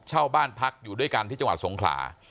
เช่าบ้านพักอยู่ด้วยกันที่จังหวัดสงขลา